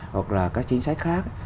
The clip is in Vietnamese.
hoặc là các chính sách khác